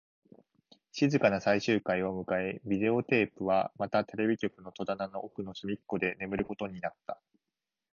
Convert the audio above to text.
静かな最終回を迎え、ビデオテープはまたテレビ局の戸棚の奥の隅っこで眠ることになった